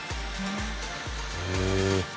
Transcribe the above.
へえ。